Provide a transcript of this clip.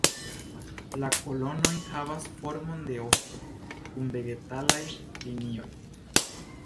La kolonoj havas formon de osto, kun vegetalaj linioj.